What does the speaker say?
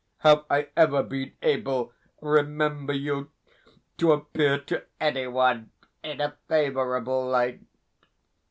Have I ever been able, remember you, to appear to anyone in a favourable light?